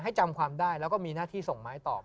จำความได้แล้วก็มีหน้าที่ส่งไม้ตอบ